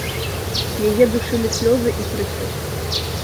Яе душылі слёзы і прыкрасць.